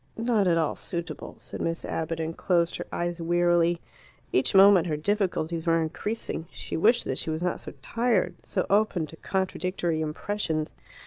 "Not at all suitable," said Miss Abbott, and closed her eyes wearily. Each moment her difficulties were increasing. She wished that she was not so tired, so open to contradictory impressions.